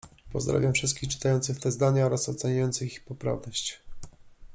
Pozdrawiam wszystkich czytających te zdania oraz oceniających ich poprawność.